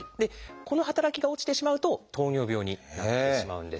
この働きが落ちてしまうと糖尿病になってしまうんです。